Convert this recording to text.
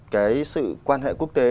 cái sự quan hệ quốc tế